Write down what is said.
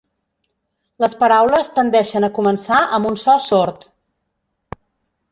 Les paraules tendeixen a començar amb un so sord.